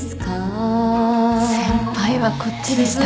先輩はこっちでしたか。